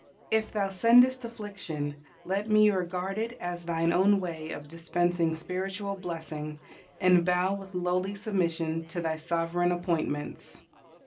If Thou sendest affliction, let me regard it as Thine own way of dispensing spiritual blessing, and bow with lowly submission to Thy sovereign appointments.